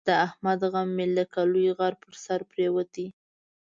د احمد غم مې لکه لوی غر په سر پرېوتی دی.